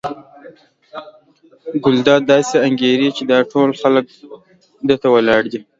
ګلداد داسې انګېري چې دا ټول خلک ده ته ولاړ دي.